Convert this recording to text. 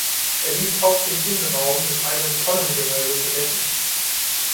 Er ließ auch den Innenraum mit einem Tonnengewölbe bedecken.